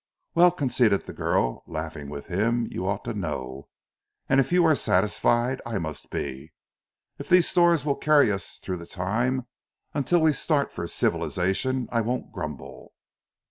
"Well," conceded the girl laughing with him. "You ought to know, and if you are satisfied I must be. If these stores will carry us through the time until we start for civilization I won't grumble."